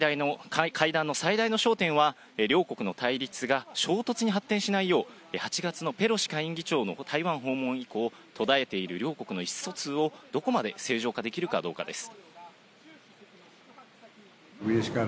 会談の最大の焦点は両国の対立が衝突に発展しないよう、８月のペロシ下院議長の台湾訪問以降、途絶えている両国の意思疎通をどこまで正常化できるかどうかです。